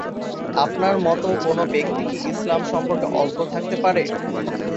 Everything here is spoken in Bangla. আপনার মত কোন ব্যক্তি কি ইসলাম সম্পর্কে অজ্ঞ থাকতে পারে?